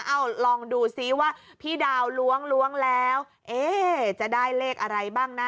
ลองดูซิว่าพี่ดาวล้วงล้วงแล้วจะได้เลขอะไรบ้างนะ